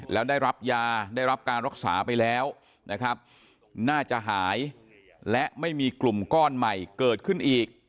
แล้วได้รับยาได้รับการรักษาไปแล้วนะครับน่าจะหายและไม่มีกลุ่มก้อนใหม่เกิดขึ้นอีก